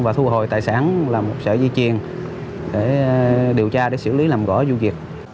và thu hồi tài sản làm một sợi dây chuyền để điều tra xử lý làm gõ vụ việc